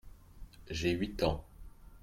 J'ai huit ans.